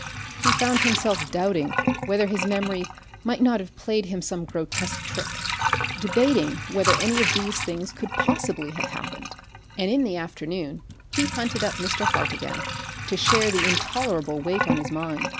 He found himself doubting whether his memory might not have played him some grotesque trick, debating whether any of these things could possibly have happened; and in the afternoon he hunted up Mr. Hart again to share the intolerable weight on his mind.